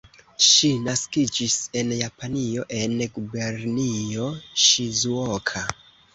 Ŝi naskiĝis en Japanio, en Gubernio Ŝizuoka.